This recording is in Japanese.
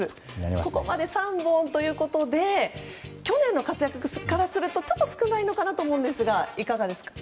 ここまで３本ということで去年の活躍からするとちょっと少ないのかなと思うんですが、いかがですか？